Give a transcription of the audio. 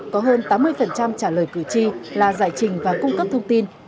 có hơn tám mươi trả lời cử tri là giải trình và cung cấp thông tin